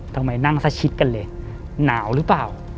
ทำไมนั่งซะชิดกันเลยหนาวหรือเปล่า